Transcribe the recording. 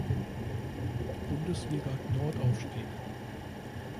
Bundesliga Nord aufstieg.